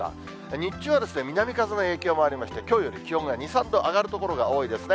日中は南風の影響もありまして、きょうより気温が２、３度、上がる所が多いですね。